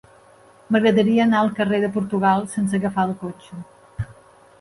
M'agradaria anar al carrer de Portugal sense agafar el cotxe.